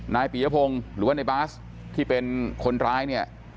ปียพงศ์หรือว่าในบาสที่เป็นคนร้ายเนี่ย